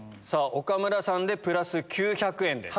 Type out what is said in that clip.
岡村さんでプラス９００円です。